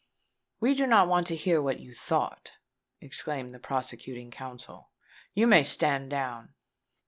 "We do not want to hear what you thought," exclaimed the prosecuting counsel. "You may stand down."